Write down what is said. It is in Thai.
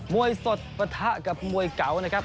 วยสดปะทะกับมวยเก่านะครับ